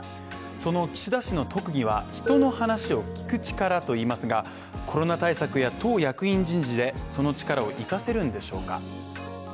その岸田氏の特技は人の話を聞く力と言いますが、コロナ対策や党役員人事でその力を生かせるんでしょうか？